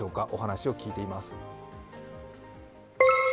お話を聞いています。